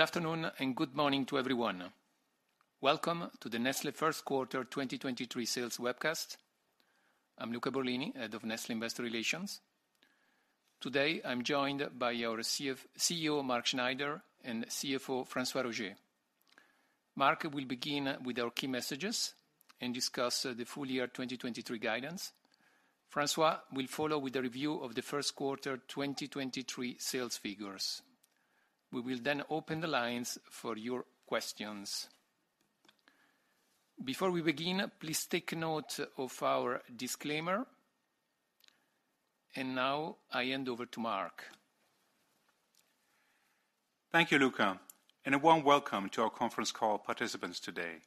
Good afternoon and good morning to everyone. Welcome to the Nestlé Q1 2023 sales webcast. I'm Luca Borlini, Head of Nestlé Investor Relations. Today, I'm joined by our CEO, Mark Schneider, and CFO, François-Xavier Roger. Mark will begin with our key messages and discuss the full year 2023 guidance. François will follow with a review of the Q1 2023 sales figures. We will then open the lines for your questions. Before we begin, please take note of our disclaimer. Now I hand over to Mark. Thank you, Luca, and a warm welcome to our conference call participants today.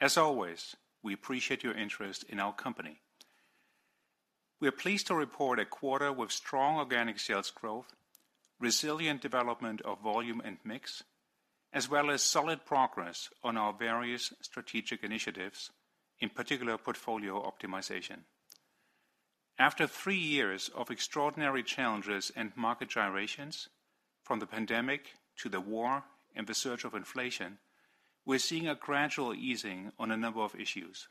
As always, we appreciate your interest in our company. We are pleased to report a quarter with strong organic sales growth, resilient development of volume and mix, as well as solid progress on our various strategic initiatives, in particular, portfolio optimization. After three years of extraordinary challenges and market gyrations, from the pandemic to the war and the surge of inflation, we're seeing a gradual easing on a number of issues.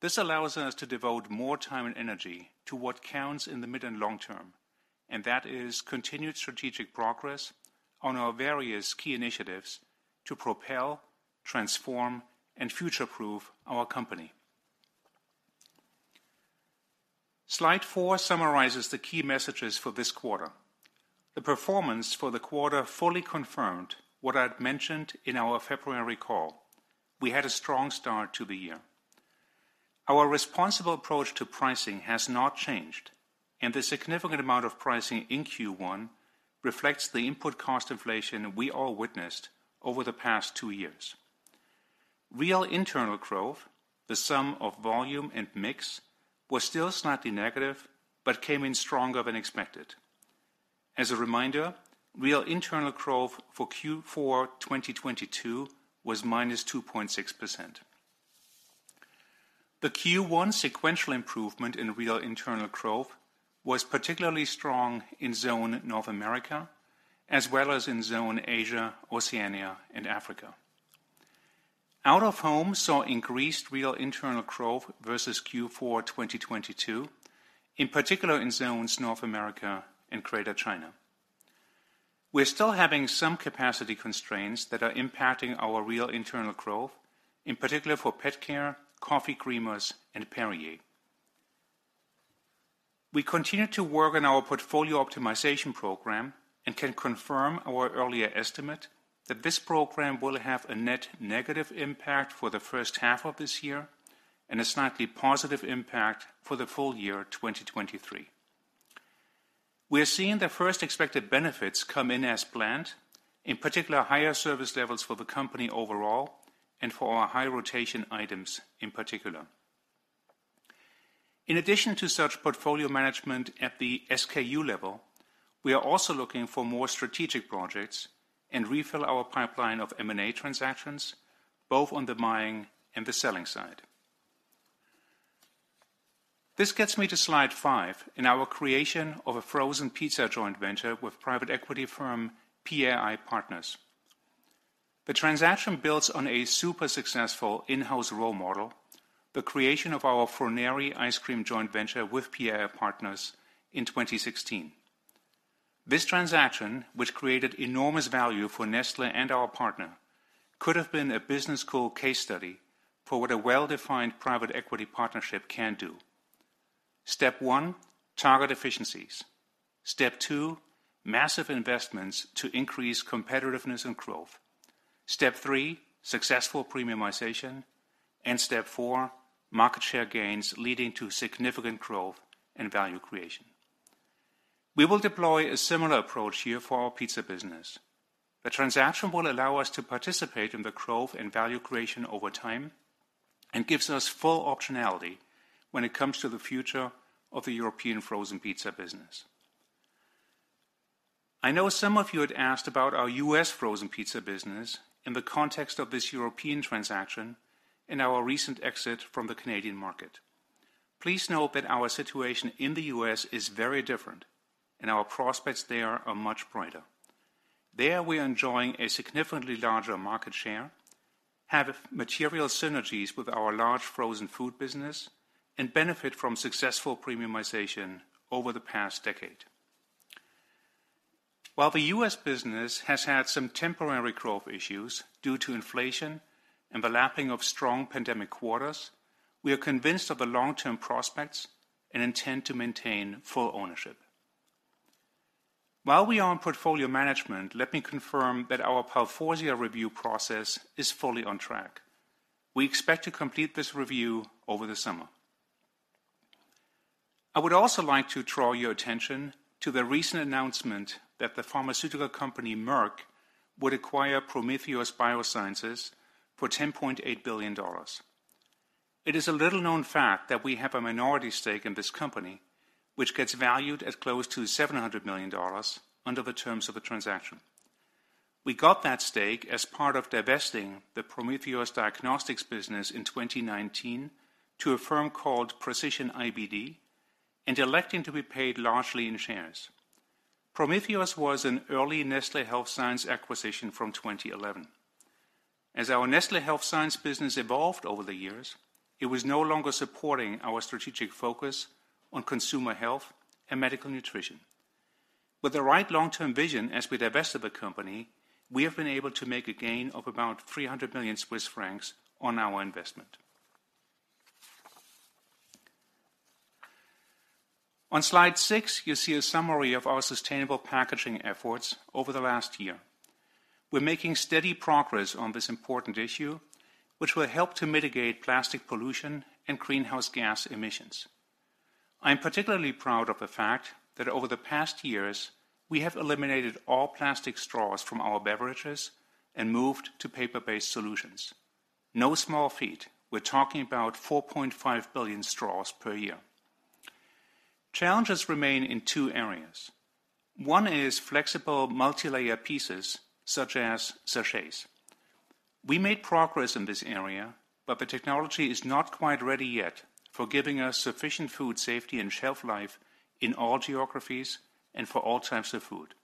This allows us to devote more time and energy to what counts in the mid and long term, and that is continued strategic progress on our various key initiatives to propel, transform, and future-proof our company. Slide four summarizes the key messages for this quarter. The performance for the quarter fully confirmed what I'd mentioned in our February call. We had a strong start to the year. Our responsible approach to pricing has not changed, and the significant amount of pricing in Q1 reflects the input cost inflation we all witnessed over the past two years. Real internal growth, the sum of volume and mix, was still slightly negative but came in stronger than expected. As a reminder, real internal growth for Q4 2022 was -2.6%. The Q1 sequential improvement in real internal growth was particularly strong in zone North America, as well as in zone Asia, Oceania, and Africa. Out-of-home saw increased real internal growth versus Q4 2022, in particular in zones North America and Greater China. We're still having some capacity constraints that are impacting our real internal growth, in particular for pet care, coffee creamers, and Perrier. We continue to work on our portfolio optimization program and can confirm our earlier estimate that this program will have a net negative impact for the H1 of this year and a slightly positive impact for the full year 2023. We are seeing the first expected benefits come in as planned, in particular, higher service levels for the company overall and for our high rotation items in particular. In addition to such portfolio management at the SKU level, we are also looking for more strategic projects and refill our pipeline of M&A transactions, both on the buying and the selling side. This gets me to slide five in our creation of a frozen pizza joint venture with private equity firm PAI Partners. The transaction builds on a super successful in-house role model, the creation of our Froneri ice cream joint venture with PAI Partners in 2016. This transaction, which created enormous value for Nestlé and our partner, could have been a business school case study for what a well-defined private equity partnership can do. Step one, target efficiencies. Step two, massive investments to increase competitiveness and growth. Step three, successful premiumization. Step four, market share gains leading to significant growth and value creation. We will deploy a similar approach here for our pizza business. The transaction will allow us to participate in the growth and value creation over time and gives us full optionality when it comes to the future of the European frozen pizza business. I know some of you had asked about our U.S. frozen pizza business in the context of this European transaction and our recent exit from the Canadian market. Please note that our situation in the U.S. is very different, and our prospects there are much brighter. There, we are enjoying a significantly larger market share, have material synergies with our large frozen food business, and benefit from successful premiumization over the past decade. While the U.S. business has had some temporary growth issues due to inflation and the lapping of strong pandemic quarters, we are convinced of the long-term prospects and intend to maintain full ownership. While we are on portfolio management, let me confirm that our Palforzia review process is fully on track. We expect to complete this review over the summer. I would also like to draw your attention to the recent announcement that the pharmaceutical company Merck would acquire Prometheus Biosciences for $10.8 billion. It is a little-known fact that we have a minority stake in this company, which gets valued at close to $700 million under the terms of the transaction. We got that stake as part of divesting the Prometheus diagnostics business in 2019 to a firm called Precision IBD. Electing to be paid largely in shares. Prometheus was an early Nestlé Health Science acquisition from 2011. As our Nestlé Health Science business evolved over the years, it was no longer supporting our strategic focus on consumer health and medical nutrition. With the right long-term vision as we divested the company, we have been able to make a gain of about 300 million Swiss francs on our investment. On slide six, you see a summary of our sustainable packaging efforts over the last year. We're making steady progress on this important issue, which will help to mitigate plastic pollution and greenhouse gas emissions. I'm particularly proud of the fact that over the past years, we have eliminated all plastic straws from our beverages and moved to paper-based solutions. No small feat. We're talking about 4.5 billion straws per year. Challenges remain in two areas. One is flexible multilayer pieces such as sachets. We made progress in this area, but the technology is not quite ready yet for giving us sufficient food safety and shelf life in all geographies and for all types of food.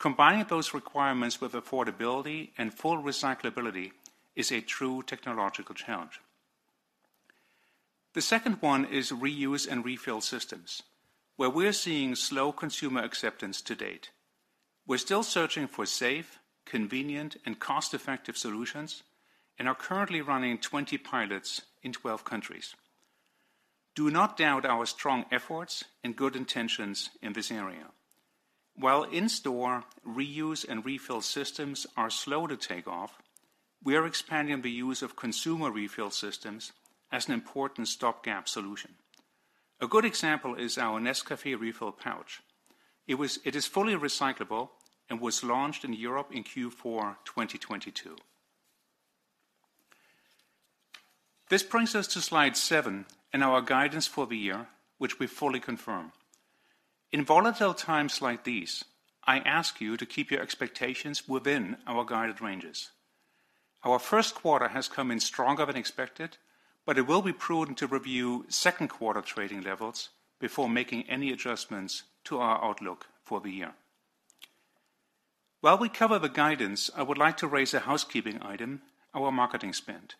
Combining those requirements with affordability and full recyclability is a true technological challenge. The second one is reuse and refill systems, where we're seeing slow consumer acceptance to date. We're still searching for safe, convenient, and cost-effective solutions and are currently running 20 pilots in 12 countries. Do not doubt our strong efforts and good intentions in this area. While in-store reuse and refill systems are slow to take off, we are expanding the use of consumer refill systems as an important stopgap solution. A good example is our Nescafé refill pouch. It is fully recyclable and was launched in Europe in Q4 2022. This brings us to slide seven and our guidance for the year, which we fully confirm. In volatile times like these, I ask you to keep your expectations within our guided ranges. Our Q1 has come in stronger than expected, but it will be prudent to review Q2 trading levels before making any adjustments to our outlook for the year. While we cover the guidance, I would like to raise a housekeeping item, our marketing spend.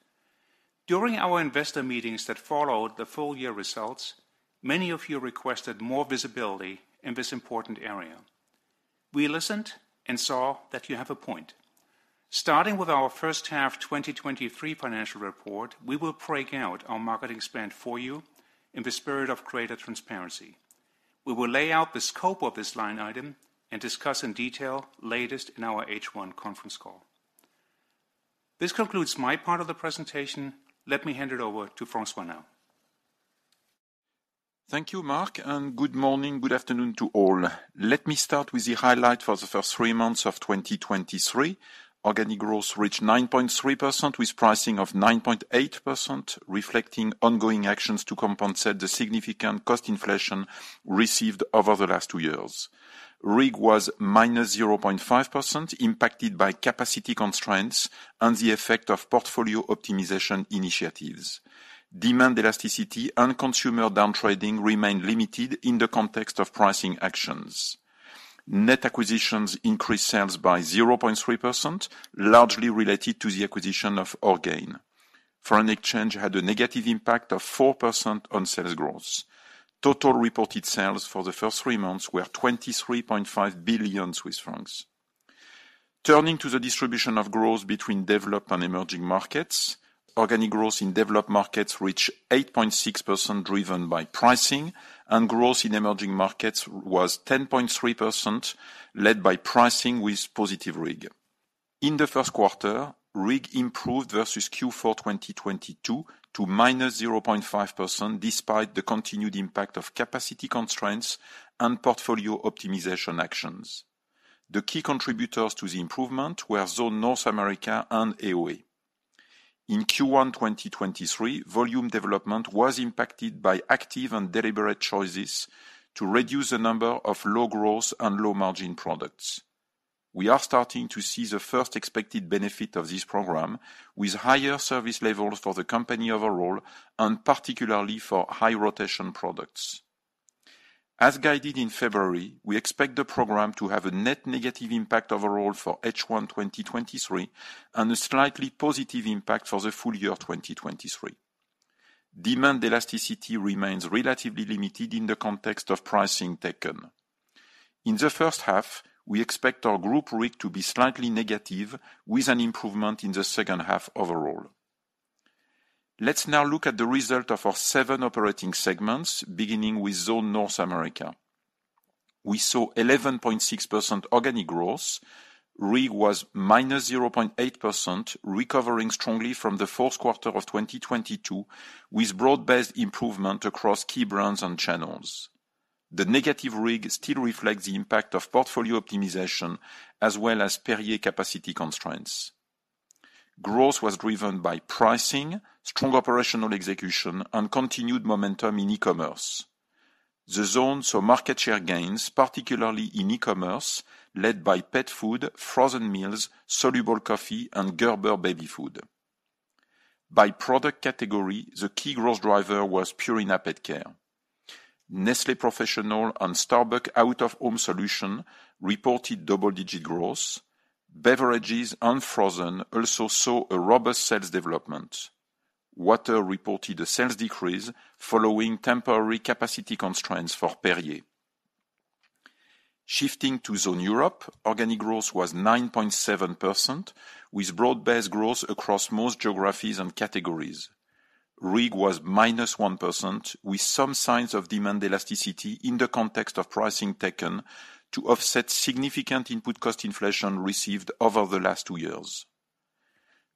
During our investor meetings that followed the full-year results, many of you requested more visibility in this important area. We listened and saw that you have a point. Starting with our H1 2023 financial report, we will break out our marketing spend for you in the spirit of greater transparency. We will lay out the scope of this line item and discuss in detail latest in our H1 conference call. This concludes my part of the presentation. Let me hand it over to François now. Thank you, Mark. Good morning, good afternoon to all. Let me start with the highlight for the first 3 months of 2023. Organic growth reached 9.3% with pricing of 9.8%, reflecting ongoing actions to compensate the significant cost inflation received over the last two years. RIG was -0.5% impacted by capacity constraints and the effect of portfolio optimization initiatives. Demand elasticity and consumer downtrading remained limited in the context of pricing actions. Net acquisitions increased sales by 0.3%, largely related to the acquisition of Orgain. Foreign exchange had a negative impact of 4% on sales growth. Total reported sales for the first three months were 23.5 billion Swiss francs. Turning to the distribution of growth between developed and emerging markets, organic growth in developed markets reached 8.6% driven by pricing, and growth in emerging markets was 10.3% led by pricing with positive RIG. In the Q1, RIG improved versus Q4 2022 to -0.5% despite the continued impact of capacity constraints and portfolio optimization actions. The key contributors to the improvement were Zone North America and AOA. In Q1 2023, volume development was impacted by active and deliberate choices to reduce the number of low growth and low margin products. We are starting to see the first expected benefit of this program with higher service levels for the company overall and particularly for high rotation products. As guided in February, we expect the program to have a net negative impact overall for H1 2023 and a slightly positive impact for the full year of 2023. Demand elasticity remains relatively limited in the context of pricing taken. In the H1, we expect our group RIG to be slightly negative with an improvement in the H2 overall. Let's now look at the result of our seven operating segments, beginning with Zone North America. We saw 11.6% organic growth. RIG was -0.8%, recovering strongly from the 4th quarter of 2022 with broad-based improvement across key brands and channels. The negative RIG still reflects the impact of portfolio optimization as well as Perrier capacity constraints. Growth was driven by pricing, strong operational execution, and continued momentum in e-commerce. The zone saw market share gains, particularly in e-commerce, led by pet food, frozen meals, soluble coffee, and Gerber baby food. By product category, the key growth driver was Purina PetCare. Nestlé Professional and Starbucks out-of-home solutions reported double-digit growth. Beverages and frozen also saw a robust sales development. Water reported a sales decrease following temporary capacity constraints for Perrier. Shifting to Zone Europe, organic growth was 9.7% with broad-based growth across most geographies and categories. RIG was -1% with some signs of demand elasticity in the context of pricing taken to offset significant input cost inflation received over the last two years.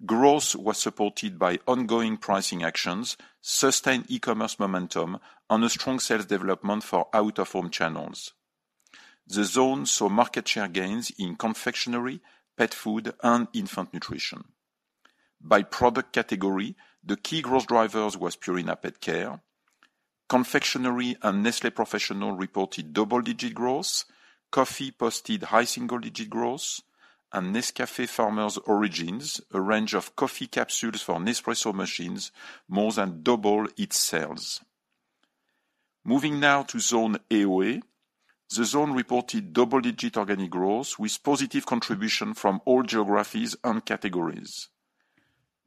Growth was supported by ongoing pricing actions, sustained e-commerce momentum, and a strong sales development for out-of-home channels. The zone saw market share gains in confectionery, pet food, and infant nutrition. By product category, the key growth drivers was Purina PetCare, confectionery and Nestlé Professional reported double-digit growth. Coffee posted high single-digit growth and Nescafé Farmers Origins, a range of coffee capsules for Nespresso machines, more than double its sales. Moving now to Zone AOA. The zone reported double-digit organic growth with positive contribution from all geographies and categories.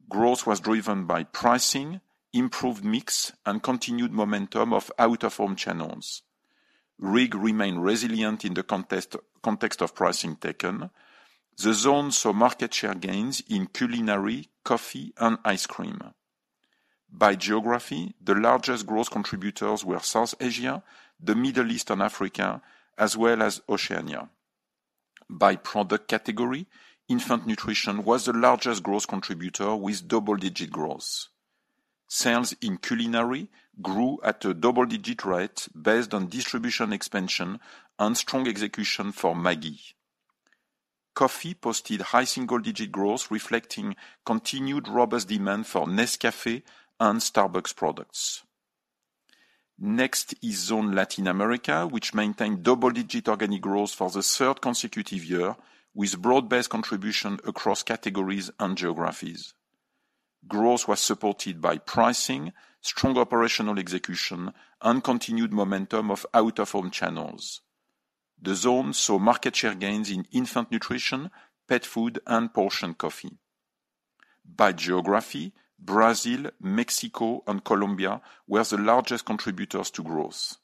Growth was driven by pricing, improved mix, and continued momentum of out-of-home channels. RIG remained resilient in the context of pricing taken. The zone saw market share gains in culinary, coffee, and ice cream. By geography, the largest growth contributors were South Asia, the Middle East and Africa, as well as Oceania. By product category, infant nutrition was the largest growth contributor with double-digit growth. Sales in culinary grew at a double-digit rate based on distribution expansion and strong execution for Maggi. Coffee posted high single-digit growth, reflecting continued robust demand for Nescafé and Starbucks products. Next is Zone Latin America, which maintained double-digit organic growth for the third consecutive year, with broad-based contribution across categories and geographies. Growth was supported by pricing, strong operational execution, and continued momentum of out-of-home channels. The zone saw market share gains in infant nutrition, pet food, and portion coffee. By geography, Brazil, Mexico, and Colombia were the largest contributors to growth.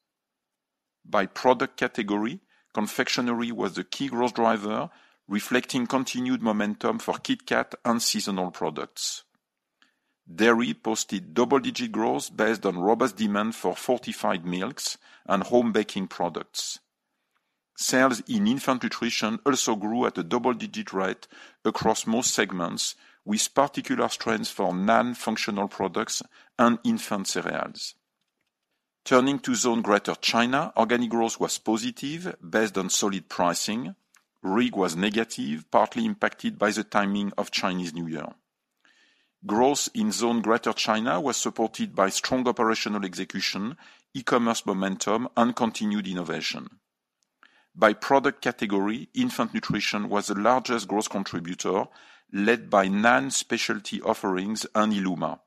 By product category, confectionery was the key growth driver, reflecting continued momentum for KitKat and seasonal products. Dairy posted double-digit growth based on robust demand for fortified milks and home baking products. Sales in infant nutrition also grew at a double-digit rate across most segments, with particular strength for NAN functional products and infant cereals. Turning to Zone Greater China, organic growth was positive based on solid pricing. RIG was negative, partly impacted by the timing of Chinese New Year. Growth in Zone Greater China was supported by strong operational execution, e-commerce momentum, and continued innovation. By product category, infant nutrition was the largest growth contributor, led by NAN specialty offerings and Illuma.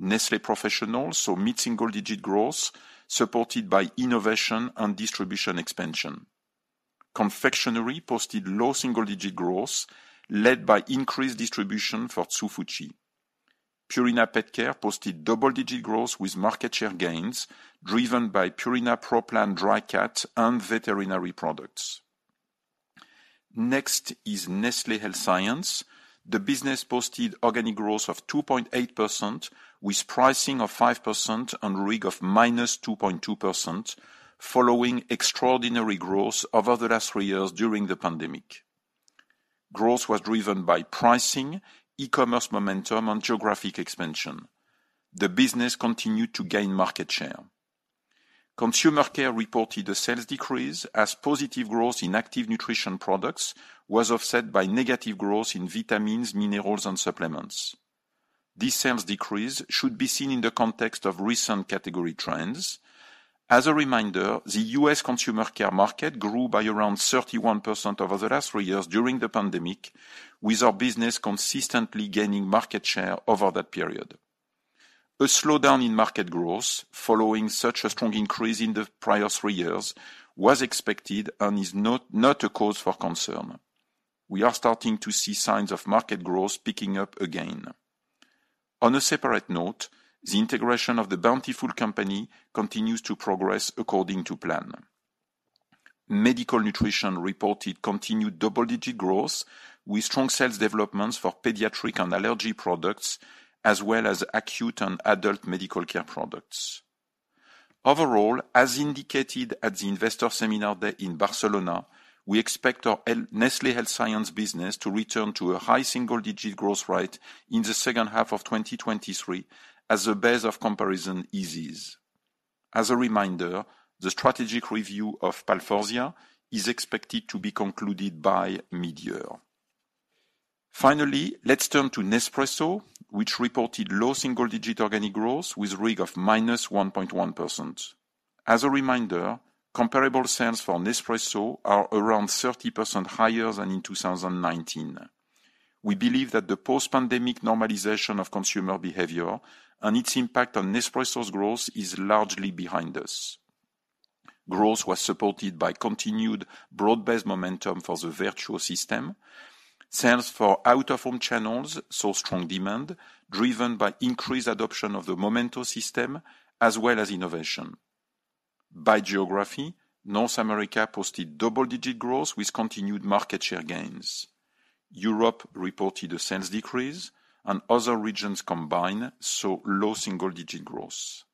Nestlé Professional saw mid-single digit growth supported by innovation and distribution expansion. Confectionery posted low single-digit growth led by increased distribution for Hsu Fu Chi. Purina PetCare posted double-digit growth with market share gains driven by Purina Pro Plan Dry Cat and veterinary products. Next is Nestlé Health Science. The business posted organic growth of 2.8% with pricing of 5% and RIG of -2.2% following extraordinary growth over the last three years during the pandemic. Growth was driven by pricing, e-commerce momentum, and geographic expansion. The business continued to gain market share. Consumer Care reported a sales decrease as positive growth in active nutrition products was offset by negative growth in vitamins, minerals, and supplements. This sales decrease should be seen in the context of recent category trends. As a reminder, the U.S. Consumer Care market grew by around 31% over the last three years during the pandemic, with our business consistently gaining market share over that period. A slowdown in market growth following such a strong increase in the prior three years was expected and is not a cause for concern. We are starting to see signs of market growth picking up again. On a separate note, the integration of The Bountiful Company continues to progress according to plan. Medical Nutrition reported continued double-digit growth with strong sales developments for pediatric and allergy products, as well as acute and adult medical care products. Overall, as indicated at the Investor Seminar Day in Barcelona, we expect our Nestlé Health Science business to return to a high single-digit growth rate in the H2 of 2023 as the base of comparison eases. As a reminder, the strategic review of Palforzia is expected to be concluded by mid-year. Finally, let's turn to Nespresso, which reported low single-digit organic growth with RIG of minus 1.1%. As a reminder, comparable sales for Nespresso are around 30% higher than in 2019. We believe that the post-pandemic normalization of consumer behavior and its impact on Nespresso's growth is largely behind us. Growth was supported by continued broad-based momentum for the Vertuo system. Sales for out-of-home channels saw strong demand driven by increased adoption of the Momento system as well as innovation. By geography, North America posted double-digit growth with continued market share gains. Europe reported a sales decrease, and other regions combined saw low single-digit growth.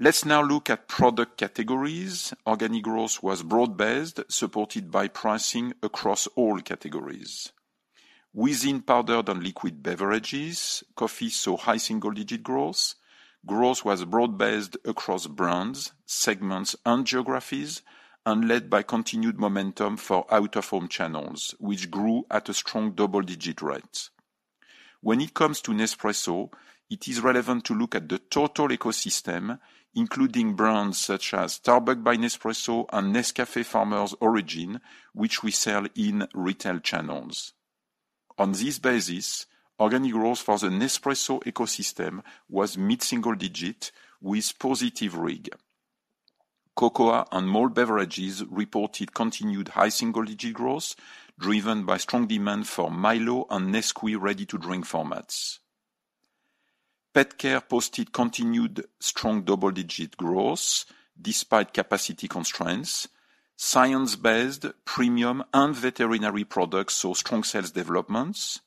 Let's now look at product categories. Organic growth was broad-based, supported by pricing across all categories. Within powdered and liquid beverages, coffee saw high single-digit growth. Growth was broad-based across brands, segments and geographies, and led by continued momentum for out-of-home channels, which grew at a strong double-digit rate. When it comes to Nespresso, it is relevant to look at the total ecosystem, including brands such as Starbucks by Nespresso and Nescafé Farmers Origins, which we sell in retail channels. On this basis, organic growth for the Nespresso ecosystem was mid-single digit with positive RIG. Cocoa and malt beverages reported continued high single-digit growth, driven by strong demand for Milo and Nesquik ready-to-drink formats. Petcare posted continued strong double-digit growth despite capacity constraints. Science-based, premium, and veterinary products saw strong sales developments.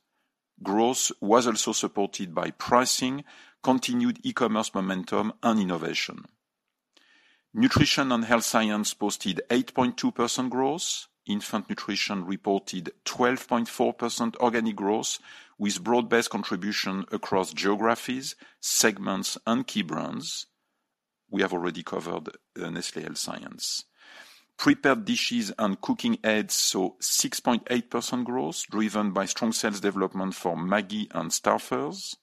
Growth was also supported by pricing, continued e-commerce momentum and innovation. Nutrition and Health Science posted 8.2% growth. Infant nutrition reported 12.4% organic growth with broad-based contribution across geographies, segments, and key brands. We have already covered Nestlé Health Science. Prepared dishes and cooking aids saw 6.8% growth, driven by strong sales development for Maggi and Stouffer's.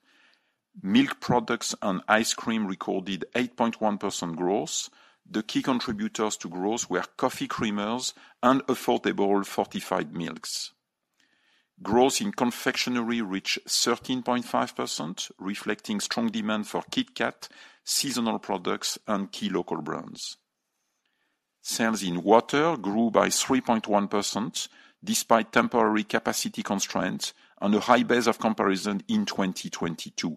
Milk products and ice cream recorded 8.1% growth. The key contributors to growth were coffee creamers and affordable fortified milks. Growth in confectionery reached 13.5%, reflecting strong demand for KitKat, seasonal products and key local brands. Sales in water grew by 3.1% despite temporary capacity constraints on a high base of comparison in 2022.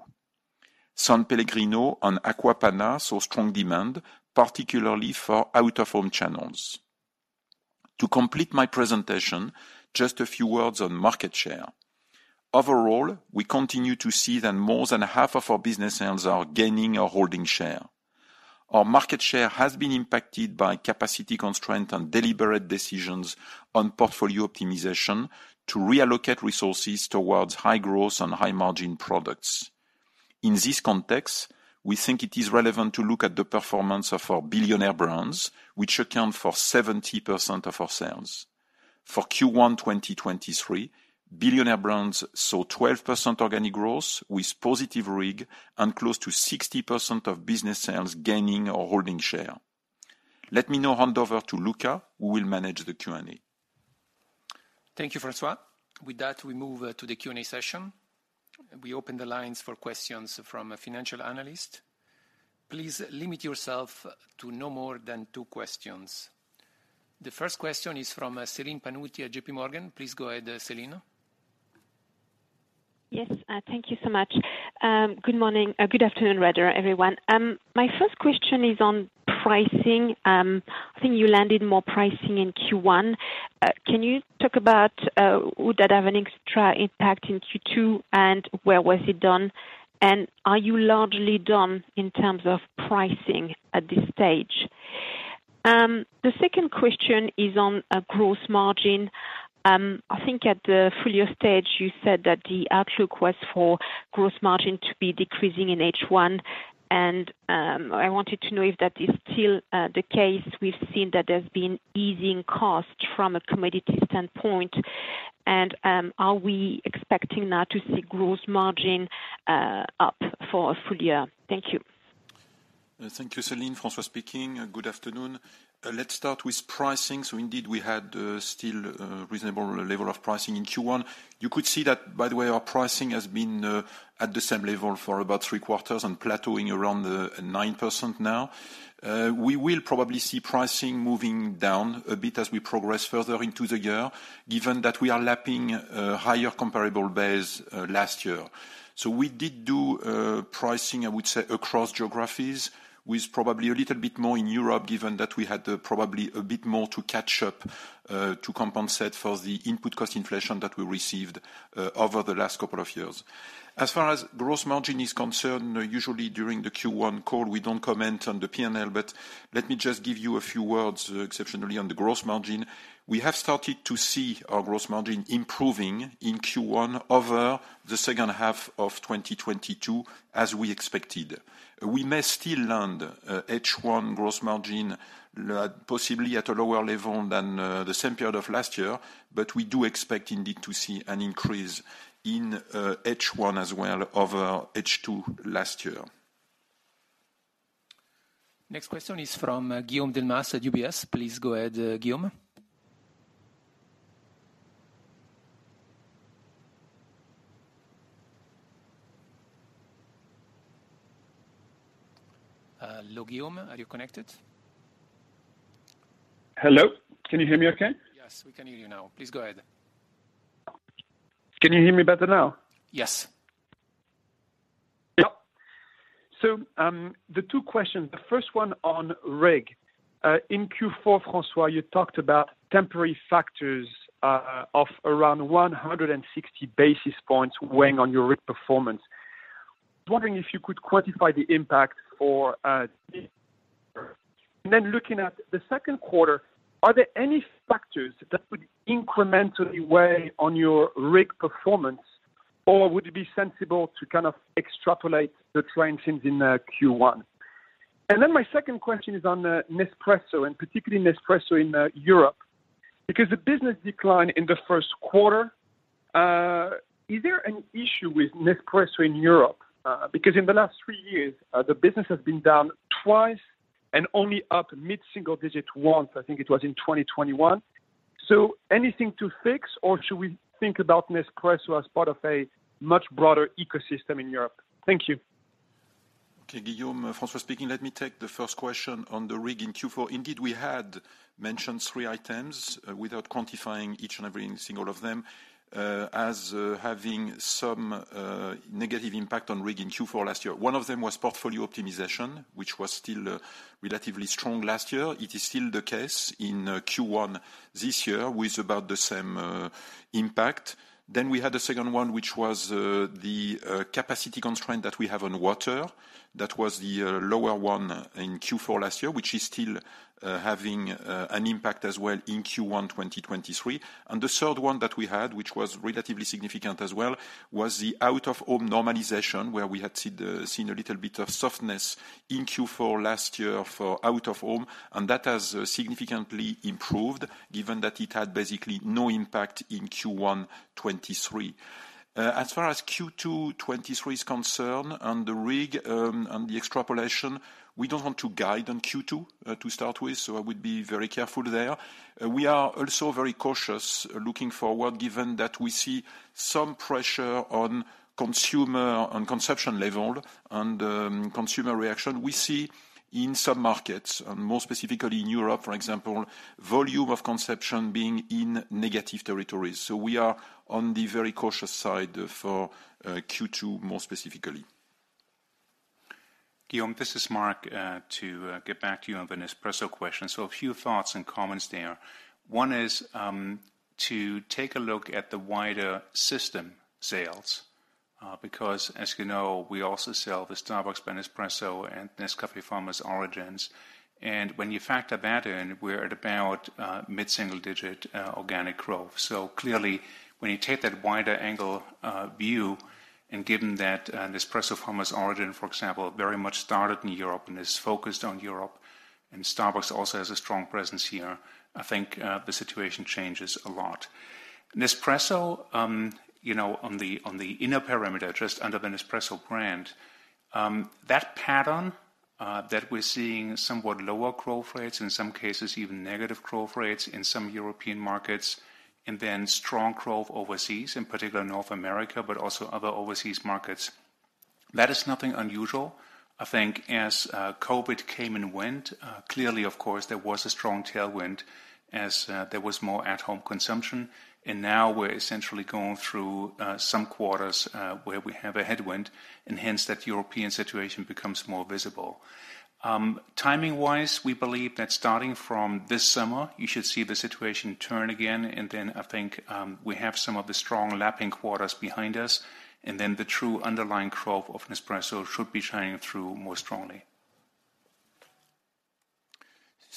S.Pellegrino and Acqua Panna saw strong demand, particularly for out-of-home channels. To complete my presentation, just a few words on market share. Overall, we continue to see that more than half of our business sales are gaining or holding share. Our market share has been impacted by capacity constraint and deliberate decisions on portfolio optimization to reallocate resources towards high growth and high margin products. In this context, we think it is relevant to look at the performance of our billionaire brands, which account for 70% of our sales. For Q1 2023, billionaire brands saw 12% organic growth with positive RIG and close to 60% of business sales gaining or holding share. Let me now hand over to Luca, who will manage the Q&A. Thank you, François. With that, we move to the Q&A session. We open the lines for questions from financial analysts. Please limit yourself to no more than two questions. The first question is from Céline Pannuti at JPMorgan. Please go ahead, Céline. Yes, thank you so much. Good morning, good afternoon rather, everyone. My first question is on pricing. I think you landed more pricing in Q1. Can you talk about, would that have an extra impact in Q2, and where was it done? Are you largely done in terms of pricing at this stage? The second question is on gross margin. I think at the full year stage, you said that the outlook was for gross margin to be decreasing in H1, and I wanted to know if that is still the case. We've seen that there's been easing costs from a commodity standpoint. Are we expecting now to see gross margin up for a full year? Thank you. Thank you, Céline. François speaking. Good afternoon. Let's start with pricing. Indeed, we had still a reasonable level of pricing in Q1. You could see that, by the way, our pricing has been at the same level for about three quarters and plateauing around 9% now. We will probably see pricing moving down a bit as we progress further into the year, given that we are lapping a higher comparable base last year. We did do pricing, I would say, across geographies with probably a little bit more in Europe, given that we had probably a bit more to catch up to compensate for the input cost inflation that we received over the last couple of years. As far as gross margin is concerned, usually during the Q1 call, we don't comment on the P&L. Let me just give you a few words exceptionally on the gross margin. We have started to see our gross margin improving in Q1 over the H2 of 2022, as we expected. We may still land H1 gross margin possibly at a lower level than the same period of last year. We do expect indeed to see an increase in H1 as well over H2 last year. Next question is from Guillaume Delmas at UBS. Please go ahead, Guillaume. hello, Guillaume. Are you connected? Hello? Can you hear me okay? Yes, we can hear you now. Please go ahead. Can you hear me better now? Yes. Yeah. The two questions, the first one on RIG. In Q4, François, you talked about temporary factors, of around 160 basis points weighing on your RIG performance. I was wondering if you could quantify the impact or. Looking at the Q2, are there any factors that would incrementally weigh on your RIG performance, or would it be sensible to kind of extrapolate the trends seen in Q1? My second question is on Nespresso, and particularly Nespresso in Europe, because the business declined in the Q1. Is there an issue with Nespresso in Europe? Because in the last three years, the business has been down twice and only up mid-single digit once, I think it was in 2021. Anything to fix, or should we think about Nespresso as part of a much broader ecosystem in Europe? Thank you. Okay, Guillaume. François speaking. Let me take the first question on the RIG in Q4. Indeed, we had mentioned three items without quantifying each and every single of them, as having some negative impact on RIG in Q4 last year. One of them was portfolio optimization, which was still relatively strong last year. It is still the case in Q1 this year with about the same impact. We had a second one, which was the capacity constraint that we have on water. That was the lower one in Q4 last year, which is still having an impact as well in Q1 2023. The third one that we had, which was relatively significant as well, was the out of home normalization, where we had seen a little bit of softness in Q4 last year for out of home, and that has significantly improved given that it had basically no impact in Q1 2023. As far as Q2 2023 is concerned and the RIG, and the extrapolation, we don't want to guide on Q2 to start with, so I would be very careful there. We are also very cautious looking forward, given that we see some pressure on consumption level and consumer reaction we see in some markets, and more specifically in Europe, for example, volume of consumption being in negative territories. We are on the very cautious side for Q2, more specifically. Guillaume, this is Mark, to get back to you on the Nespresso question. A few thoughts and comments there. One is to take a look at the wider system sales, because, as you know, we also sell the Starbucks by Nespresso and Nescafé Farmers Origins. When you factor that in, we're at about mid-single digit organic growth. Clearly, when you take that wider angle view, and given that Nespresso Farmers Origin, for example, very much started in Europe and is focused on Europe, and Starbucks also has a strong presence here, I think the situation changes a lot. Nespresso, you know, on the inner perimeter, just under the Nespresso brand, that pattern that we're seeing somewhat lower growth rates, in some cases even negative growth rates in some European markets, and then strong growth overseas, in particular North America, but also other overseas markets, that is nothing unusual. I think as COVID came and went, clearly, of course, there was a strong tailwind as there was more at home consumption, and now we're essentially going through some quarters where we have a headwind and hence that European situation becomes more visible. Timing-wise, we believe that starting from this summer, you should see the situation turn again, and then I think, we have some of the strong lapping quarters behind us, and then the true underlying growth of Nespresso should be shining through more strongly.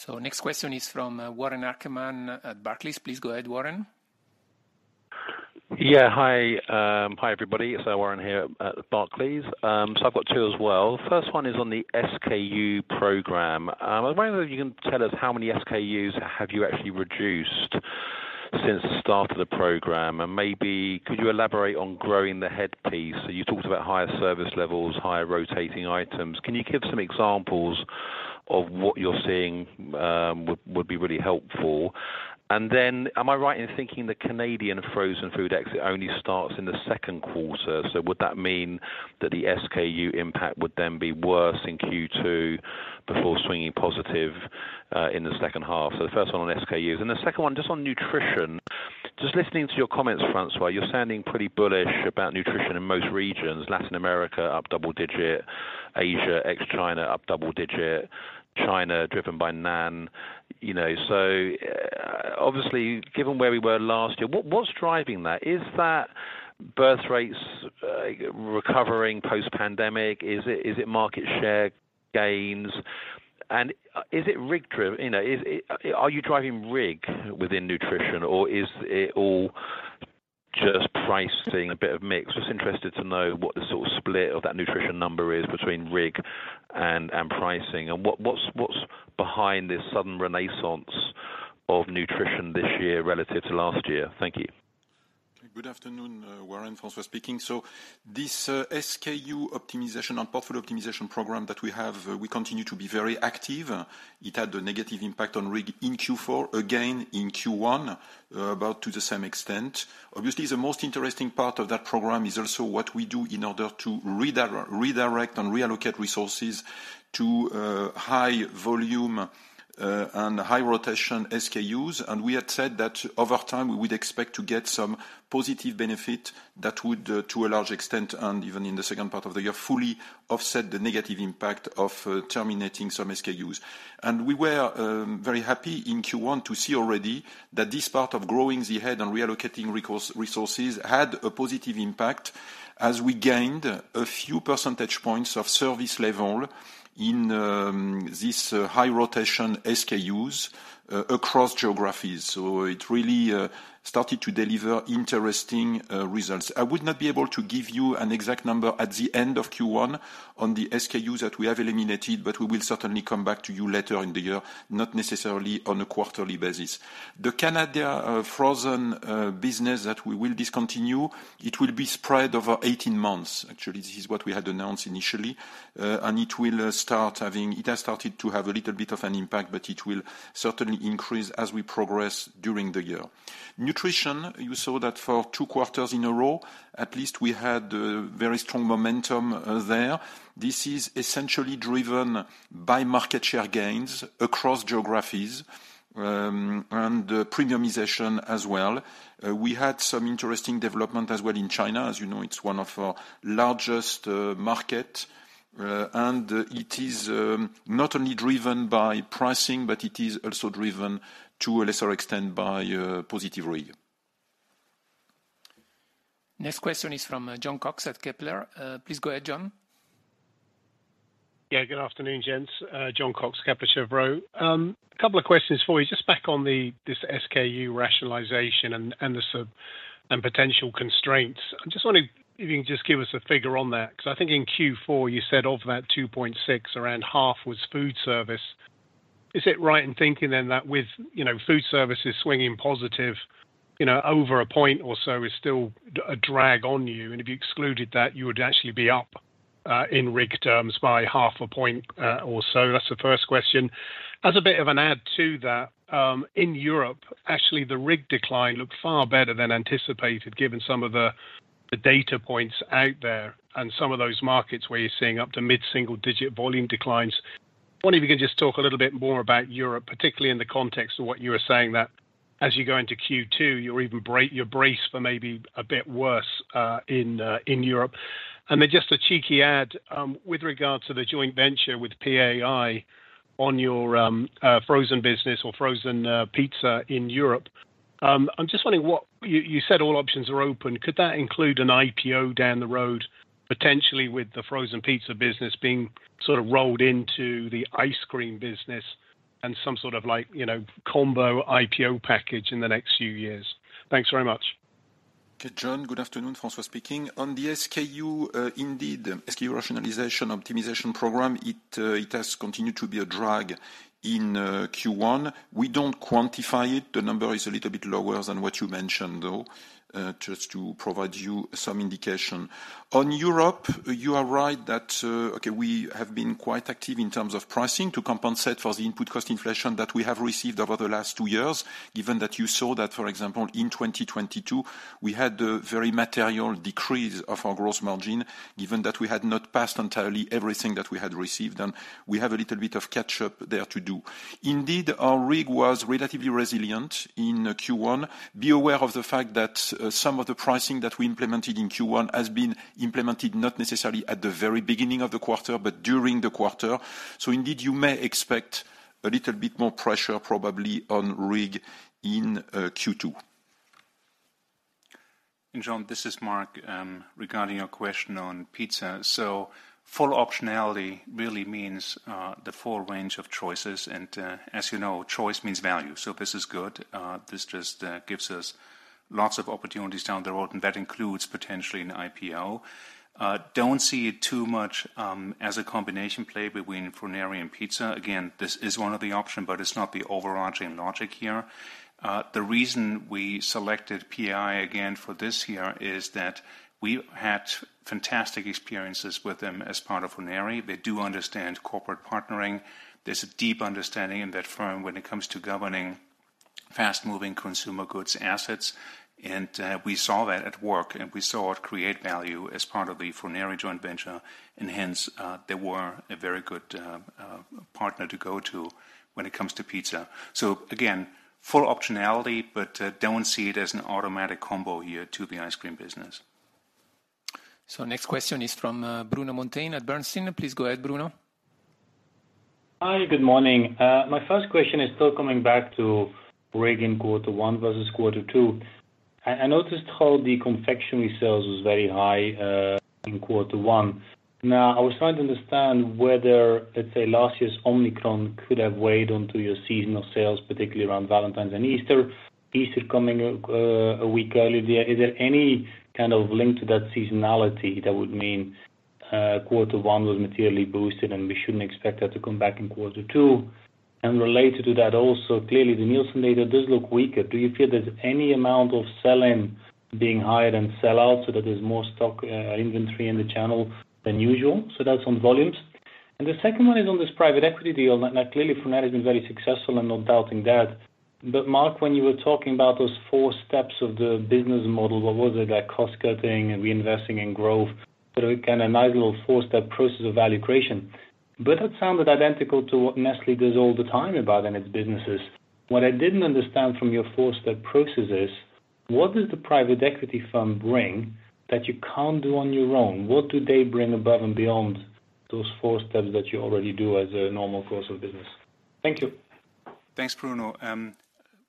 Next question is from Warren Ackerman at Barclays. Please go ahead, Warren. Hi. Hi, everybody. It's Warren here at Barclays. I've got two as well. First one is on the SKU program. I wonder if you can tell us how many SKUs have you actually reduced since the start of the program, and maybe could you elaborate on growing the head piece? You talked about higher service levels, higher rotating items. Can you give some examples of what you're seeing? Would be really helpful. Am I right in thinking the Canadian frozen food exit only starts in the Q2, would that mean that the SKU impact would then be worse in Q2 before swinging positive in the H2? The first one on SKUs. The second one, just on nutrition. Just listening to your comments, François, you're sounding pretty bullish about nutrition in most regions. Latin America, up double digit. Asia, ex China, up double digit. China, driven by NAN. You know, obviously given where we were last year, what's driving that? Is that birth rates recovering post-pandemic? Is it market share gains? Is it RIG driven? You know, Are you driving RIG within nutrition, or is it all just pricing, a bit of mix? Just interested to know what the sort of split of that nutrition number is between RIG and pricing and what's behind this sudden renaissance of nutrition this year relative to last year? Thank you. Good afternoon, Warren, François speaking. This SKU optimization and portfolio optimization program that we have, we continue to be very active. It had a negative impact on RIG in Q4, again in Q1, about to the same extent. Obviously, the most interesting part of that program is also what we do in order to redirect and reallocate resources to high volume and high rotation SKUs. We had said that over time, we would expect to get some positive benefit that would, to a large extent, and even in the second part of the year, fully offset the negative impact of terminating some SKUs. We were very happy in Q1 to see already that this part of growing the head and reallocating resources had a positive impact as we gained a few percentage points of service level in this high rotation SKUs across geographies. It really started to deliver interesting results. I would not be able to give you an exact number at the end of Q1 on the SKUs that we have eliminated, but we will certainly come back to you later in the year, not necessarily on a quarterly basis. The Canada frozen business that we will discontinue, it will be spread over 18 months. Actually, this is what we had announced initially. It has started to have a little bit of an impact, but it will certainly increase as we progress during the year. Nutrition, you saw that for two quarters in a row, at least we had very strong momentum there. This is essentially driven by market share gains across geographies, and premiumization as well. We had some interesting development as well in China. As you know, it's one of our largest market, and it is not only driven by pricing, but it is also driven to a lesser extent by positive rig. Next question is from Jon Cox at Kepler. Please go ahead, John. Yeah, good afternoon, gents. Jon Cox, Kepler Cheuvreux. Couple of questions for you. Just back on this SKU rationalization and potential constraints. I just wonder if you can just give us a figure on that, because I think in Q4 you said of that 2.6, around half was food service. Is it right in thinking then that with, you know, food service is swinging positive, you know, over one point or so is still a drag on you, and if you excluded that, you would actually be up in RIG terms by half a point or so? That's the first question. As a bit of an add to that, in Europe, actually, the RIG decline looked far better than anticipated, given some of the data points out there and some of those markets where you're seeing up to mid-single digit volume declines. Wondering if you can just talk a little bit more about Europe, particularly in the context of what you were saying, that as you go into Q2, you'll even brace for maybe a bit worse in Europe? Just a cheeky add with regards to the joint venture with PAI on your frozen business or frozen pizza in Europe. I'm just wondering what. You said all options are open. Could that include an IPO down the road, potentially with the frozen pizza business being sort of rolled into the ice cream business and some sort of like, you know, combo IPO package in the next few years? Thanks very much. Okay, Jon. Good afternoon, François speaking. On the SKU, indeed, SKU rationalization optimization program, it has continued to be a drag in Q1. We don't quantify it. The number is a little bit lower than what you mentioned, though, just to provide you some indication. On Europe, you are right that, okay, we have been quite active in terms of pricing to compensate for the input cost inflation that we have received over the last two years. Given that you saw that, for example, in 2022, we had a very material decrease of our gross margin, given that we had not passed entirely everything that we had received, and we have a little bit of catch up there to do. Indeed, our RIG was relatively resilient in Q1. Be aware of the fact that some of the pricing that we implemented in Q1 has been implemented not necessarily at the very beginning of the quarter, but during the quarter. Indeed, you may expect a little bit more pressure probably on RIG in Q2. Jon, this is Mark, regarding your question on pizza. Full optionality really means the full range of choices, as you know, choice means value. This is good. This just gives us lots of opportunities down the road, and that includes potentially an IPO. Don't see it too much as a combination play between Froneri and pizza. This is one of the option, but it's not the overarching logic here. The reason we selected PAI again for this here is that we had fantastic experiences with them as part of Froneri. They do understand corporate partnering. There's a deep understanding in that firm when it comes to governing fast-moving consumer goods assets. We saw that at work, and we saw it create value as part of the Froneri joint venture. They were a very good partner to go to when it comes to pizza. Again, full optionality, but don't see it as an automatic combo here to the ice cream business. Next question is from Bruno Monteyne at Bernstein. Please go ahead, Bruno. Hi, good morning. My first question is still coming back to RIG in quarter one versus quarter two. I noticed how the confectionery sales was very high in quarter one. Now, I was trying to understand whether, let's say, last year's Omicron could have weighed onto your seasonal sales, particularly around Valentine's and Easter coming a week early. Is there any kind of link to that seasonality that would mean quarter one was materially boosted, and we shouldn't expect that to come back in quarter two? Related to that also, clearly the Nielsen data does look weaker. Do you feel there's any amount of sell-in being higher than sell-out, so that there's more stock, inventory in the channel than usual? That's on volumes. The second one is on this private equity deal. Clearly, Froneri has been very successful, I'm not doubting that. Mark, when you were talking about those four steps of the business model, what was it? Like cost-cutting and reinvesting in growth. Again, a nice little four-step process of value creation. That sounded identical to what Nestlé does all the time about in its businesses. What I didn't understand from your four-step processes, what does the private equity firm bring that you can't do on your own? What do they bring above and beyond those four steps that you already do as a normal course of business? Thank you. Thanks, Bruno.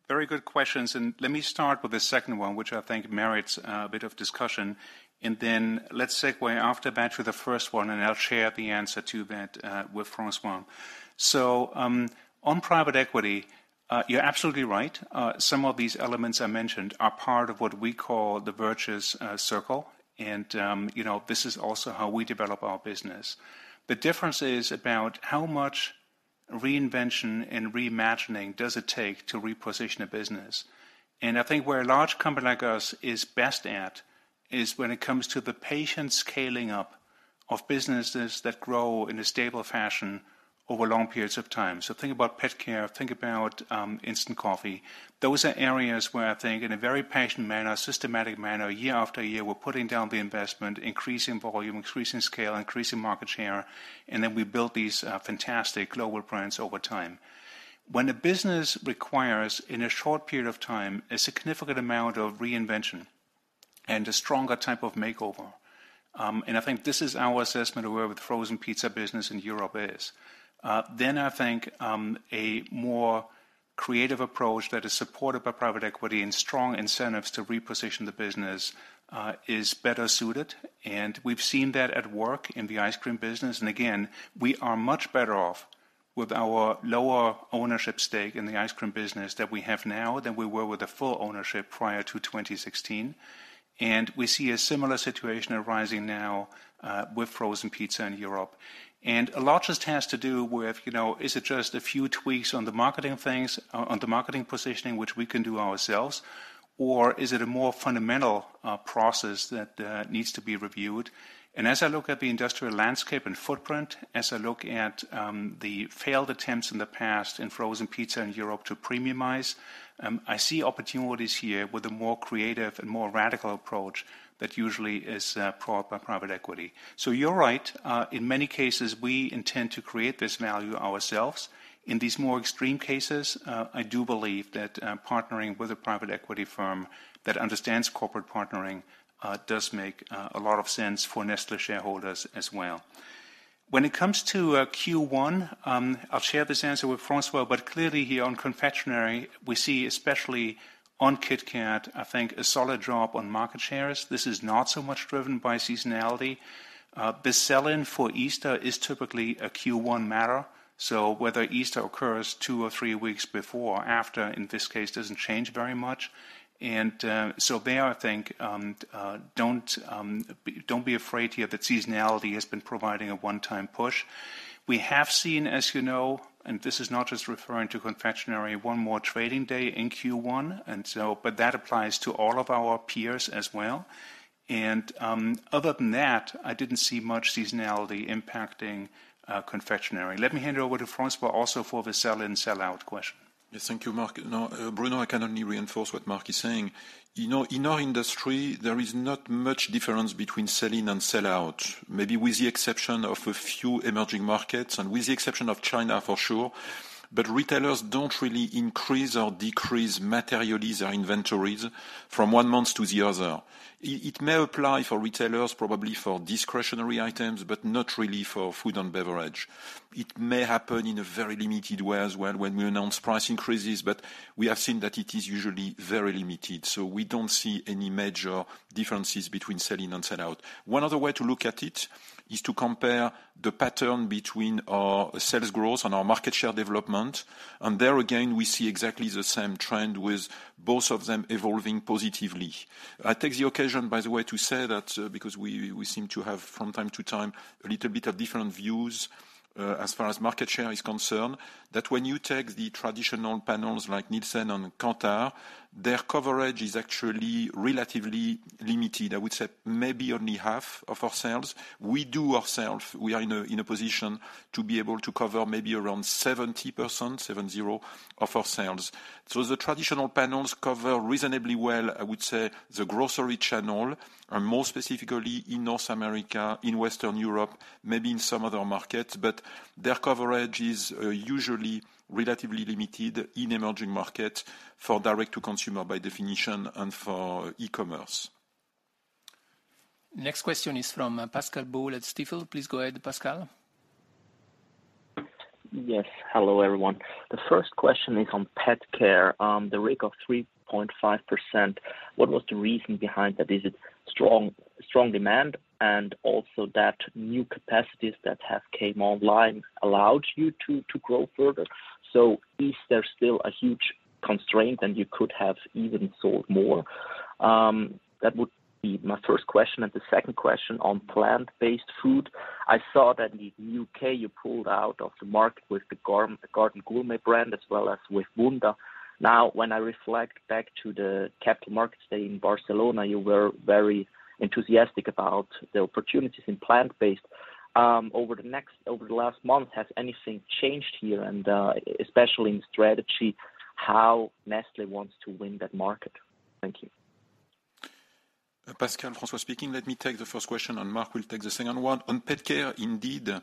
very good questions, and let me start with the second one, which I think merits a bit of discussion. Then let's segue after that with the first one, and I'll share the answer to that with François. On private equity, you're absolutely right. Some of these elements I mentioned are part of what we call the virtuous circle. You know, this is also how we develop our business. The difference is about how much reinvention and reimagining does it take to reposition a business. I think where a large company like us is best at is when it comes to the patient scaling up of businesses that grow in a stable fashion over long periods of time. Think about pet care, think about instant coffee. Those are areas where I think in a very patient manner, systematic manner, year after year, we're putting down the investment, increasing volume, increasing scale, increasing market share, and then we build these fantastic global brands over time. When a business requires, in a short period of time, a significant amount of reinvention and a stronger type of makeover, I think this is our assessment of where the frozen pizza business in Europe is, then I think a more creative approach that is supported by private equity and strong incentives to reposition the business is better suited. We've seen that at work in the ice cream business. Again, we are much better off with our lower ownership stake in the ice cream business that we have now than we were with the full ownership prior to 2016. We see a similar situation arising now with frozen pizza in Europe. A lot just has to do with, you know, is it just a few tweaks on the marketing things, on the marketing positioning, which we can do ourselves, or is it a more fundamental process that needs to be reviewed? As I look at the industrial landscape and footprint, as I look at the failed attempts in the past in frozen pizza in Europe to premiumize, I see opportunities here with a more creative and more radical approach that usually is brought by private equity. You're right. In many cases, we intend to create this value ourselves. In these more extreme cases, I do believe that partnering with a private equity firm that understands corporate partnering, does make a lot of sense for Nestlé shareholders as well. When it comes to Q1, I'll share this answer with François, but clearly here on confectionery, we see, especially on KitKat, I think a solid drop on market shares. This is not so much driven by seasonality. The sell-in for Easter is typically a Q1 matter. Whether Easter occurs two or three weeks before or after, in this case, doesn't change very much. There, I think, don't be afraid here. The seasonality has been providing a one-time push. We have seen, as you know, and this is not just referring to confectionery, 1 more trading day in Q1, but that applies to all of our peers as well. Other than that, I didn't see much seasonality impacting confectionery. Let me hand it over to François, also for the sell-in, sell-out question. Yes, thank you, Mark. Bruno, I can only reinforce what Mark is saying. You know, in our industry, there is not much difference between sell-in and sell-out, maybe with the exception of a few emerging markets and with the exception of China, for sure. Retailers don't really increase or decrease materially their inventories from one month to the other. It may apply for retailers, probably for discretionary items, but not really for food and beverage. It may happen in a very limited way as well when we announce price increases, but we have seen that it is usually very limited. We don't see any major differences between sell-in and sell-out. One other way to look at it is to compare the pattern between our sales growth and our market share development. There again, we see exactly the same trend with both of them evolving positively. I take the occasion, by the way, to say that because we seem to have from time to time, a little bit of different views, as far as market share is concerned, that when you take the traditional panels like Nielsen and Kantar, their coverage is actually relatively limited. I would say maybe only half of our sales. We do ourself, we are in a position to be able to cover maybe around 70%, seven zero, of our sales. The traditional panels cover reasonably well, I would say, the grocery channel, and more specifically in North America, in Western Europe, maybe in some other markets, but their coverage is usually relatively limited in emerging markets for direct to consumer by definition and for e-commerce. Next question is from Pascal Boll at Stifel. Please go ahead, Pascal. Yes. Hello, everyone. The first question is on PetCare. The RIG of 3.5%, what was the reason behind that? Is it strong demand and also that new capacities that have came online allowed you to grow further? Is there still a huge constraint and you could have even sold more? That would be my first question. The second question on plant-based food. I saw that in the U.K. you pulled out of the market with the Garden Gourmet brand as well as with Wunda. Now, when I reflect back to the capital markets day in Barcelona, you were very enthusiastic about the opportunities in plant-based. Over the last month, has anything changed here? Especially in strategy, how Nestlé wants to win that market. Thank you. Pascal François speaking. Let me take the 1st question, Mark will take the 2nd one. On pet care, indeed,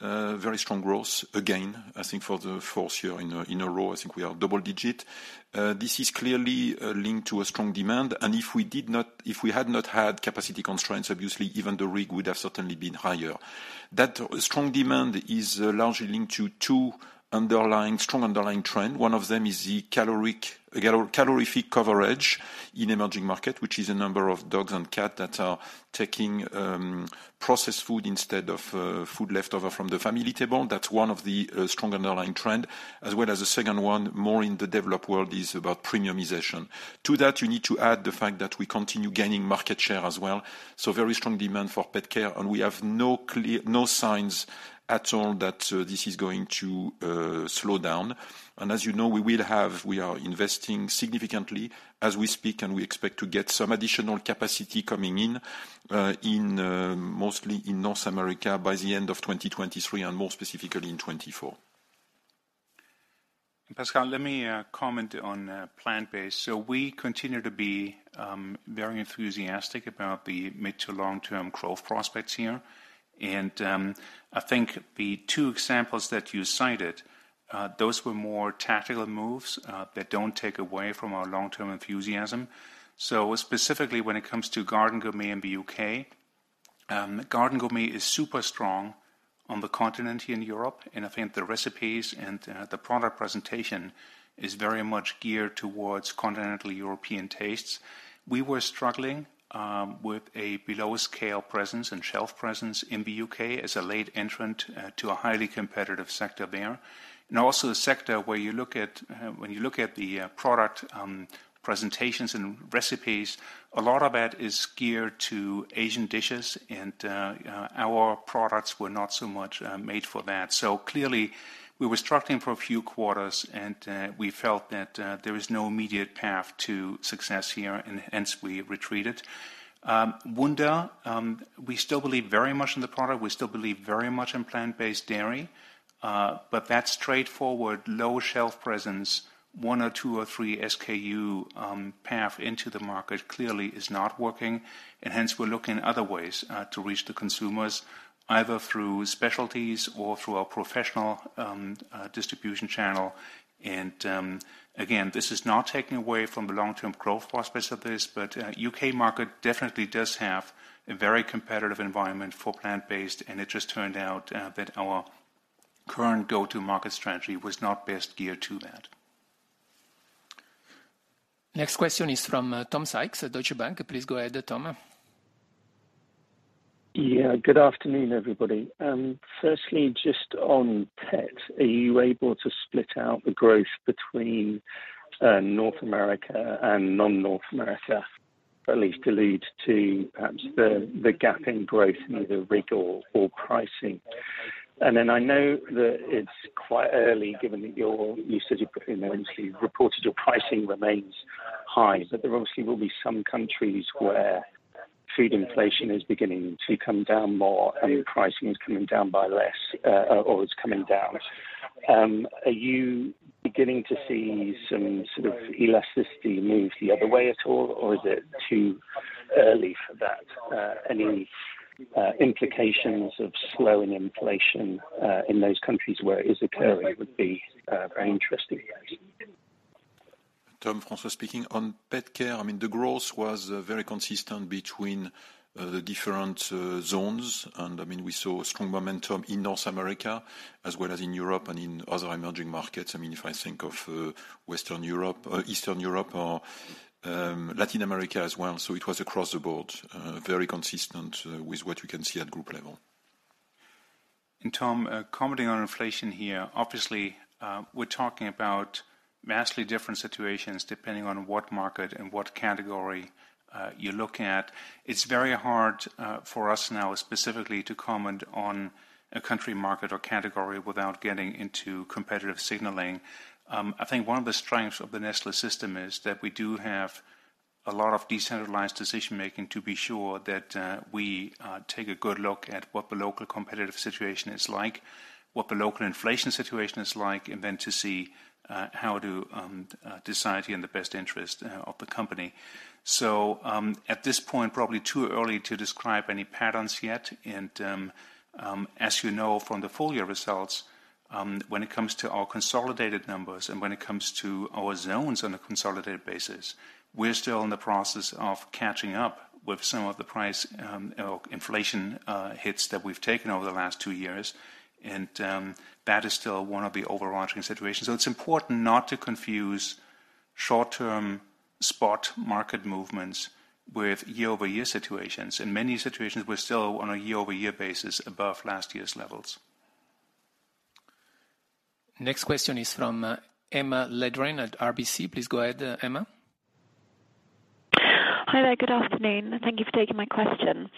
very strong growth. Again, I think for the 4th year in a row, I think we are double-digit. This is clearly linked to a strong demand, if we did not, if we had not had capacity constraints, obviously even the RIG would have certainly been higher. That strong demand is largely linked to two underlying, strong underlying trend. One of them is the caloric, calorific coverage in emerging market, which is a number of dogs and cats that are taking processed food instead of food leftover from the family table. That's one of the strong underlying trend, as well as the 2nd one, more in the developed world is about premiumization. To that, you need to add the fact that we continue gaining market share as well. Very strong demand for pet care, and we have no signs at all that this is going to slow down. As you know, we are investing significantly as we speak, and we expect to get some additional capacity coming in mostly in North America by the end of 2023 and more specifically in 2024. Pascal, let me comment on plant-based. We continue to be very enthusiastic about the mid to long-term growth prospects here. I think the two examples that you cited, those were more tactical moves that don't take away from our long-term enthusiasm. Specifically when it comes to Garden Gourmet in the U.K., Garden Gourmet is super strong on the continent here in Europe, and I think the recipes and the product presentation is very much geared towards continental European tastes. We were struggling with a below-scale presence and shelf presence in the U.K. as a late entrant to a highly competitive sector there. Also a sector where you look at, when you look at the product presentations and recipes, a lot of that is geared to Asian dishes and our products were not so much made for that. Clearly we were struggling for a few quarters and we felt that there is no immediate path to success here and hence we retreated. Wunda, we still believe very much in the product. We still believe very much in plant-based dairy, but that straightforward low shelf presence, one or two or three SKU, path into the market clearly is not working. Hence we're looking other ways to reach the consumers, either through specialties or through our professional distribution channel. Again, this is not taking away from the long-term growth prospects of this, but U.K. market definitely does have a very competitive environment for plant-based, and it just turned out that our current go-to-market strategy was not best geared to that. Next question is from, Tom Sykes at Deutsche Bank. Please go ahead, Tom. Yeah, good afternoon, everybody. Firstly, just on pets, are you able to split out the growth between North America and non-North America? At least allude to perhaps the gap in growth in either rigor or pricing. I know that it's quite early, given that your usage, you know, obviously reported your pricing remains high, but there obviously will be some countries where food inflation is beginning to come down more and pricing is coming down by less, or it's coming down. Are you beginning to see some sort of elasticity move the other way at all? Or is it too early for that? Any implications of slowing inflation in those countries where it is occurring would be very interesting. Tom, François speaking. On pet care, I mean, the growth was very consistent between the different zones. I mean, we saw strong momentum in North America as well as in Europe and in other emerging markets. I mean, if I think of Western Europe or Eastern Europe or Latin America as well. It was across the board, very consistent with what we can see at group level. Tom Sykes, commenting on inflation here, obviously, we're talking about massively different situations depending on what market and what category, you're looking at. It's very hard for us now specifically to comment on a country market or category without getting into competitive signaling. I think one of the strengths of the Nestlé system is that we do have a lot of decentralized decision-making to be sure that we take a good look at what the local competitive situation is like, what the local inflation situation is like, and then to see how to decide in the best interest of the company. At this point, probably too early to describe any patterns yet. As you know from the full year results, when it comes to our consolidated numbers and when it comes to our zones on a consolidated basis, we're still in the process of catching up with some of the price inflation hits that we've taken over the last two years. That is still one of the overarching situations. It's important not to confuse short-term spot market movements with year-over-year situations. In many situations, we're still on a year-over-year basis above last year's levels. Next question is from Emma Letheren at RBC. Please go ahead, Emma. Hi there. Good afternoon, and thank you for taking my question.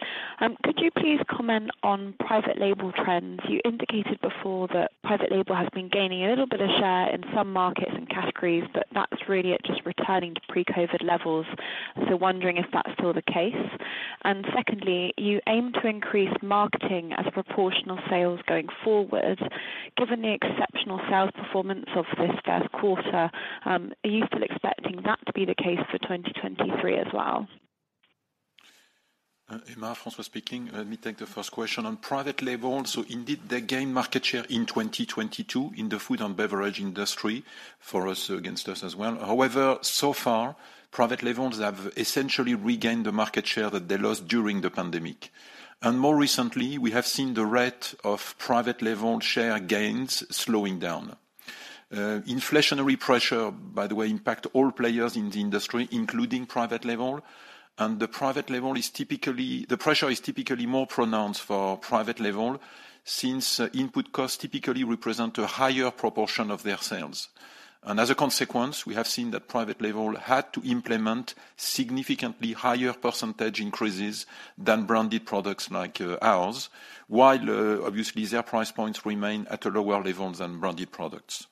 Could you please comment on private label trends? You indicated before that private label has been gaining a little bit of share in some markets and categories, but that's really it just returning to pre-COVID levels. Wondering if that's still the case? Secondly, you aim to increase marketing as a proportional sales going forward. Given the exceptional sales performance of this Q1, are you still expecting that to be the case for 2023 as well? Emma, François speaking. Let me take the first question. On private label, indeed, they gain market share in 2022 in the food and beverage industry for us, against us as well. However, so far, private labels have essentially regained the market share that they lost during the pandemic. More recently, we have seen the rate of private label share gains slowing down. Inflationary pressure, by the way, impact all players in the industry, including private label, the pressure is typically more pronounced for private label since input costs typically represent a higher proportion of their sales. As a consequence, we have seen that private label had to implement significantly higher % increases than branded products like ours, while obviously their price points remain at a lower level than branded products.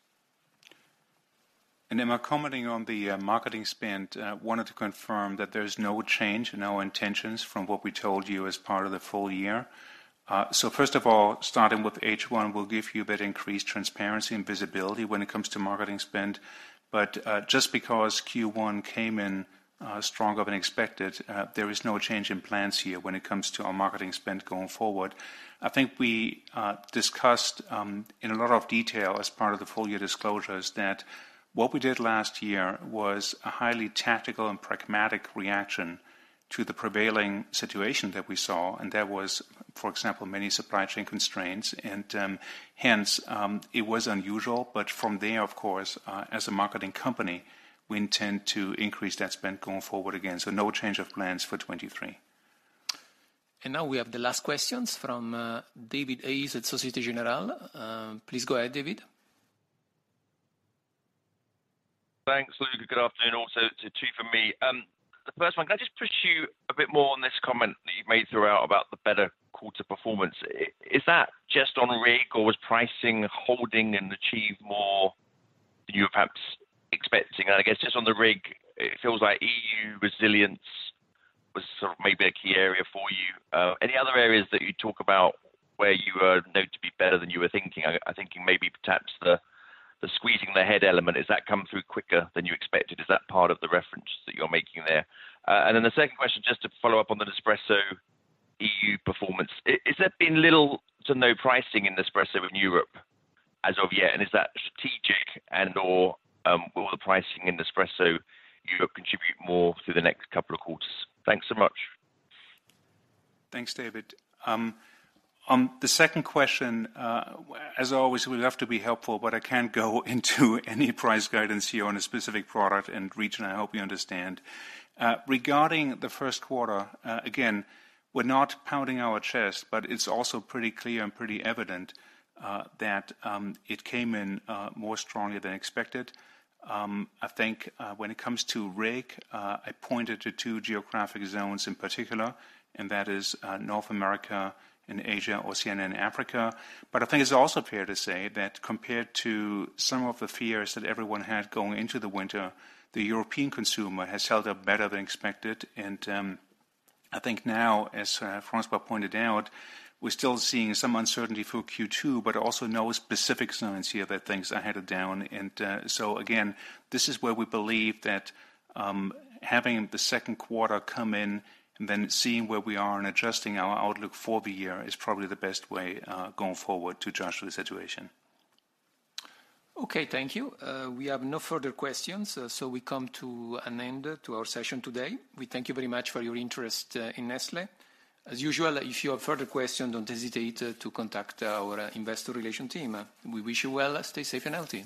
Emma, commenting on the marketing spend, wanted to confirm that there is no change, no intentions from what we told you as part of the full year. First of all, starting with H1, we'll give you a bit increased transparency and visibility when it comes to marketing spend. Just because Q1 came in stronger than expected, there is no change in plans here when it comes to our marketing spend going forward. I think we discussed in a lot of detail as part of the full year disclosures that what we did last year was a highly tactical and pragmatic reaction to the prevailing situation that we saw, and that was, for example, many supply chain constraints. Hence, it was unusual. From there, of course, as a marketing company, we intend to increase that spend going forward again. No change of plans for 2023. Now we have the last questions from David Hayes at Société Générale. Please go ahead, David. Thanks, Luca. Good afternoon also to two from me. The first one, can I just push you a bit more on this comment that you've made throughout about the better quarter performance? Is that just on RIG or was pricing holding and achieve more than you were perhaps expecting? I guess just on the RIG, it feels like EU resilience was sort of maybe a key area for you. Any other areas that you talk about where you are noted to be better than you were thinking? I thinking maybe perhaps the squeezing the head element, is that come through quicker than you expected? Is that part of the reference that you're making there? The second question, just to follow up on the Nespresso EU performance. Is there been little to no pricing in Nespresso in Europe as of yet? Is that strategic and/or will the pricing in Nespresso Europe contribute more through the next couple of quarters? Thanks so much. Thanks, David. On the second question, as always, we'd love to be helpful, but I can't go into any price guidance here on a specific product and region. I hope you understand. Regarding the Q1, again, we're not pounding our chest, but it's also pretty clear and pretty evident that it came in more strongly than expected. I think when it comes to RIG, I pointed to two geographic zones in particular, and that is North America and Asia, Oceania and Africa. I think it's also fair to say that compared to some of the fears that everyone had going into the winter, the European consumer has held up better than expected. I think now, as François pointed out, we're still seeing some uncertainty through Q2, but also no specific signs here that things are headed down. Again, this is where we believe that having the Q2 come in and then seeing where we are and adjusting our outlook for the year is probably the best way going forward to judge the situation. Okay. Thank you. We have no further questions, so we come to an end to our session today. We thank you very much for your interest in Nestlé. As usual, if you have further questions, don't hesitate to contact our investor relation team. We wish you well. Stay safe and healthy.